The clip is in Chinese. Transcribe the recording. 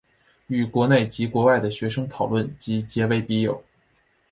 与国内及外国的学生讨论及结为笔友。